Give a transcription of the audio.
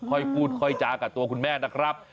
ค่อยพูดค่อยจากับตัวคุณแม่นะครับ